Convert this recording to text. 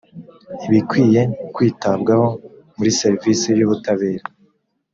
ibikwiye kwitabwaho muri serivisi y ubutabera